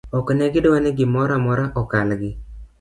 oknegidwa ni gimoramora okalgi